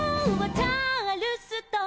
「チャールストン」